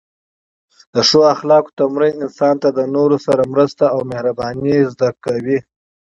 د ښو اخلاقو تمرین انسان ته د نورو سره مرسته او مهرباني زده کوي.